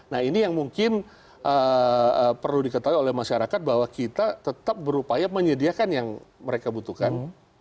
jadi ini yang mungkin perlu diketahui oleh masyarakat bahwa kita tetap berupaya menyediakan yang mereka butuhkan